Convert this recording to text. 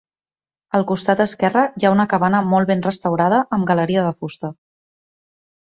Al costat esquerre hi ha una cabana molt ben restaurada amb galeria de fusta.